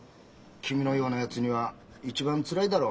君のようなやつには一番つらいだろう。